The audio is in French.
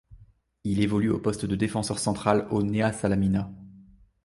Il évolue au poste de défenseur central au Nea Salamina.